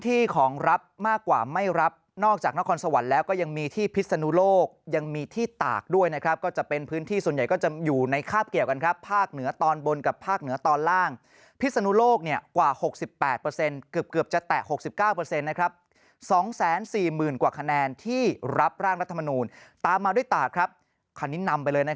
ของรับมากกว่าไม่รับนอกจากนครสวรรค์แล้วก็ยังมีที่พิศนุโลกยังมีที่ตากด้วยนะครับก็จะเป็นพื้นที่ส่วนใหญ่ก็จะอยู่ในคาบเกี่ยวกันครับภาคเหนือตอนบนกับภาคเหนือตอนล่างพิศนุโลกกว่า๖๘เกือบจะแตะ๖๙๒๔๐๐๐กว่าคะแนนที่รับร่างรัฐมนูลตามมาด้วยตากครับคันนี้นำไปเลย